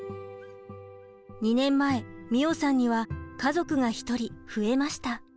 ２年前美桜さんには家族が一人増えました。